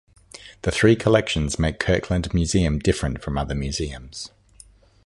The three collections make Kirkland Museum different from other museums.